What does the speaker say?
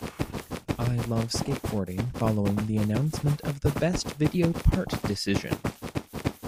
I love skateboarding" following the announcement of the "Best Video Part" decision.